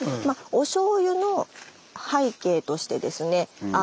まあおしょうゆの背景としてですね